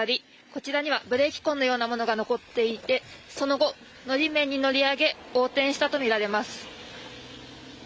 こちらにはブレーキ痕のようなものが残っていてその後、のり面に乗り上げ、横転したとみられます。